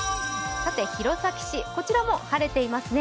弘前市、こちらも晴れていますね。